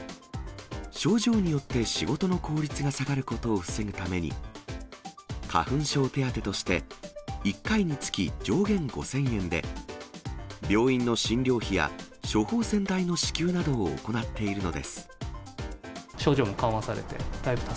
症状によって仕事の効率が下がることを防ぐために、花粉症手当として、１回につき上限５０００円で、病院の診療費や処方箋代の支給な症状も緩和されて、だいぶ助